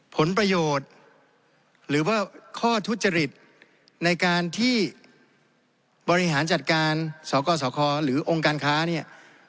ผลประโยชน์หรือว่าข้อทุจริตในการที่บริหารจัดการสกสคหรือองค์การค้าเนี่ย